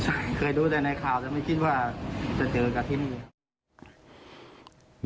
ใช่เคยดูแต่ในข่าวแต่ไม่คิดว่าจะเจอกับที่นี่